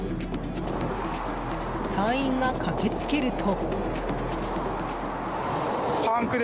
隊員が駆け付けると。